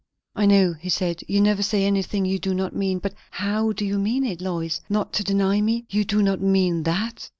"I know," he said, "you never say anything you do not mean. But how do you mean it, Lois? Not to deny me? You do not mean _that?